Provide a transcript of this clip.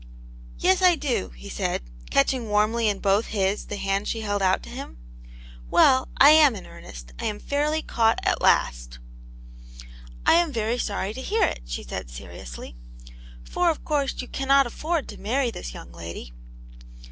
" Yes, I do," he said, catching warmly in both his the hand she held out to him. " Well, I am in earnest ; I am fairly caught at last." " I am very sorry to hear it," she said, seriously. "For of course you cannot afford to marry this young lady."